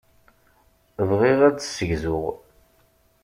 Bɣiɣ ad d-ssegzuɣ.